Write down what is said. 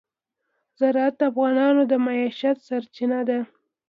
زراعت د افغانانو د معیشت سرچینه ده.